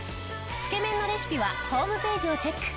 つけ麺のレシピはホームページをチェック！